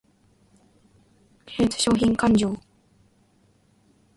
繰越商品勘定